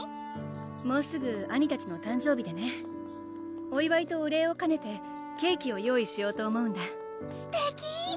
もうすぐ兄たちの誕生日でねおいわいとお礼をかねてケーキを用意しようと思うんだすてき！